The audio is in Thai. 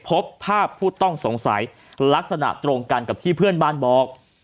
พบภาพผู้ต้องสงสัยลักษณะตรงกันกับที่เพื่อนบ้านบอก